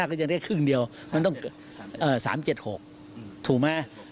ก็จะได้ครึ่งเดียวมันต้อง๓๗๖ถูกไหม